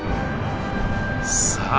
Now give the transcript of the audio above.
さあ